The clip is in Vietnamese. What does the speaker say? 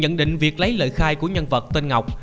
nhận định việc lấy lời khai của nhân vật tên ngọc